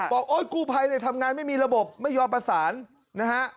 โอ๊ยกู้ภัยเนี่ยทำงานไม่มีระบบไม่ยอมประสานนะฮะ